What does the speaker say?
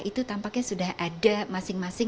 itu tampaknya sudah ada masing masing